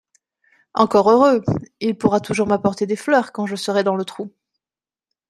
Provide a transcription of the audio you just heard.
Encore heureux ! Il pourra toujours m’apporter des fleurs quand je serai dans le trou